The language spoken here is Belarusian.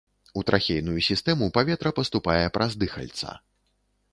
У трахейную сістэму паветра паступае праз дыхальца.